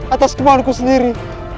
atas kemohonanku sendiri